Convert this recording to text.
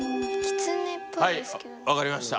はい分かりました。